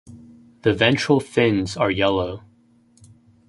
The ventral fins are yellow.